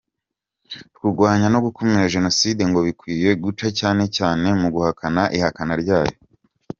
Kurwanya no gukumira jenoside ngo bikwiye guca cyane cyane mu guhana ihakana ryayo.